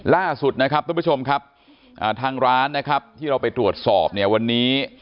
ล่าสุดนะครับทุกผู้ชมครับทางร้านนะครับที่เราไปตรวจสอบเนี่ยวันนี้